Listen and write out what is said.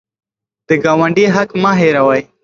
د ګاونډي حق مه هېروئ.